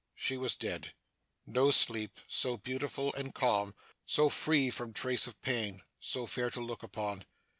She was dead. No sleep so beautiful and calm, so free from trace of pain, so fair to look upon.